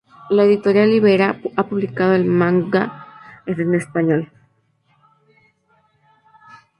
La editorial Ivrea ha publicado el manga en español.